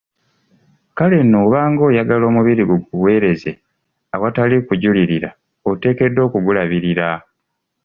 Kale nno obanga oyagala omubiri gwo gukuweereze awatali kujulirira, oteekeddwa okugulabirira.